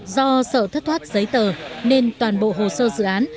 do sợ thất thoát giấy tờ nên toàn bộ hồ sơ dự án